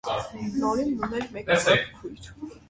Նաոմին ուներ մեկ ավագ քույր։